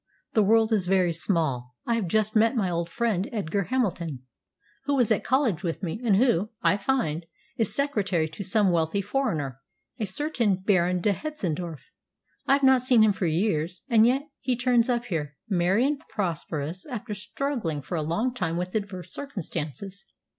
The world is very small. I have just met my old friend Edgar Hamilton, who was at college with me, and who, I find, is secretary to some wealthy foreigner, a certain Baron de Hetzendorf. I have not seen him for years, and yet he turns up here, merry and prosperous, after struggling for a long time with adverse circumstances.